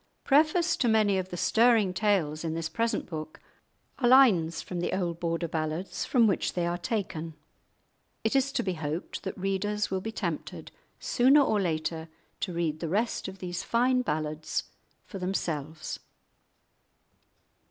Prefaced to many of the stirring tales in this present book are lines from the old Border ballads from which they are taken. It is to be hoped that readers will be tempted sooner or later to read the rest of these fine ballads for themselves.